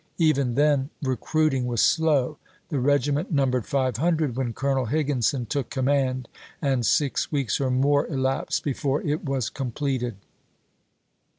Even then recruiting was slow. The 1862. regiment numbered five hundred when Colonel Higginson took command, and six weeks or more elapsed before it was completed.